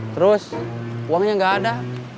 terus uangnya enggak ada